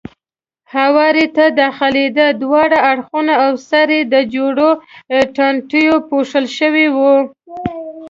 هوارۍ ته داخلېده، دواړه اړخونه او سر یې د جورو ټانټو پوښل شوی و.